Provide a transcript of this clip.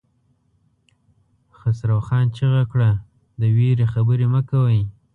خسرو خان چيغه کړه! د وېرې خبرې مه کوئ!